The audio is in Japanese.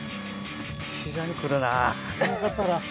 膝に来るな。